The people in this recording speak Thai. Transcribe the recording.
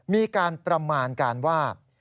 มีการประมาณการว่า